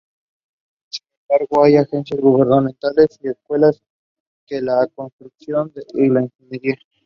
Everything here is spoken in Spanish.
Sin embargo, hay agencias gubernamentales y escuelas para la construcción y la ingeniería.